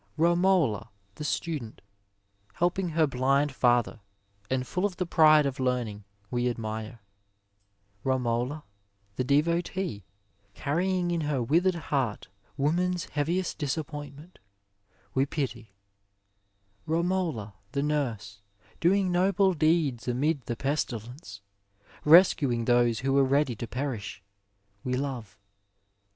Bomola, the student, helping her blind father, and full of the pride of learning, we admire ; Romola, the devotee, carrying in her withered heart woman's heaviest disappointment, we pity ; Bomola, the nurse, doing noble deeds amid the pestilence, rescuing those who were ready to perish, we love.